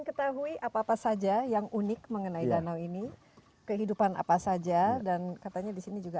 ketahui apa apa saja yang unik mengenai danau ini kehidupan apa saja dan katanya disini juga